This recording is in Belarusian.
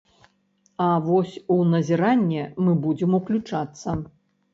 А вось у назіранне мы будзем уключацца.